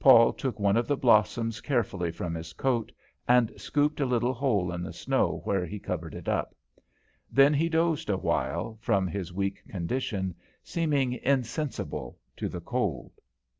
Paul took one of the blossoms carefully from his coat and scooped a little hole in the snow, where he covered it up. Then he dozed a while, from his weak condition, seeming insensible to the cold.